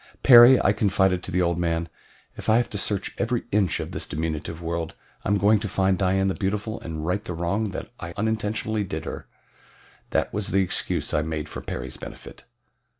"Perry," I confided to the old man, "if I have to search every inch of this diminutive world I am going to find Dian the Beautiful and right the wrong I unintentionally did her." That was the excuse I made for Perry's benefit.